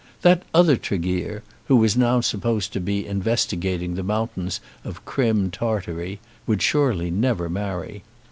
That other Tregear, who was now supposed to be investigating the mountains of Crim Tartary, would surely never marry.